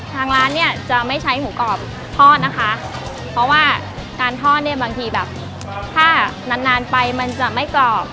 ทางร้านเนี่ยจะไม่ใช้หมูกรอบทอดนะคะเพราะว่าการทอดเนี่ยบางทีแบบถ้านานนานไปมันจะไม่กรอบ